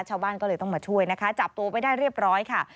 ชาวบ้านก็เลยต้องมาช่วยนะคะจับตัวไว้ได้เรียบร้อยค่ะ